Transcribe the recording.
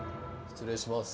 失礼します。